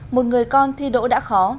một người con thi đỗ đã khó